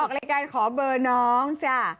มาออกรายการขอเบินน้อง